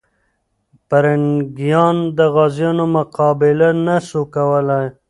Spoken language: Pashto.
پرنګیان د غازيانو مقابله نه سوه کولای.